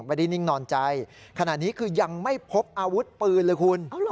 นิ่งนอนใจขณะนี้คือยังไม่พบอาวุธปืนเลยคุณ